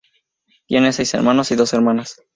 Tiene seis hermanos y dos hermanas.